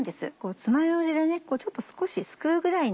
つまようじで少しすくうぐらいな